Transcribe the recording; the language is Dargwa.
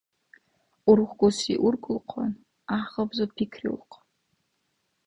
УрухкӀуси уркӀулхъан, гӀяхӀгъабза пикриулхъан.